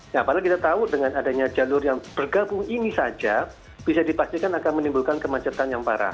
nah padahal kita tahu dengan adanya jalur yang bergabung ini saja bisa dipastikan akan menimbulkan kemacetan yang parah